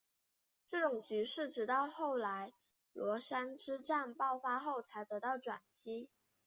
这种局势直到后来稷山之战爆发后才得到转机。